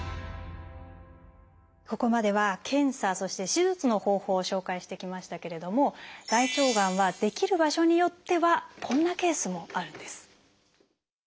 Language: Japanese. ここまでは検査そして手術の方法を紹介してきましたけれども大腸がんは出来る場所によってはこんなケースもあるんです。